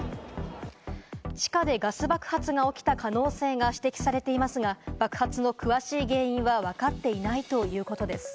地下でガス爆発が起きた可能性が指摘されていますが、爆発の詳しい原因はわかっていないということです。